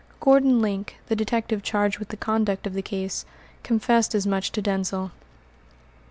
Gordon Link, the detective charged with the conduct of the case, confessed as much to Denzil.